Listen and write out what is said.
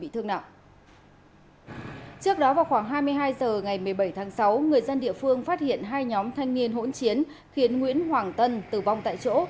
bảy tháng sáu người dân địa phương phát hiện hai nhóm thanh niên hỗn chiến khiến nguyễn hoàng tân tử vong tại chỗ